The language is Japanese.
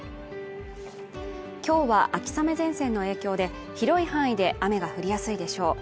今日は秋雨前線の影響で広い範囲で雨が降りやすいでしょう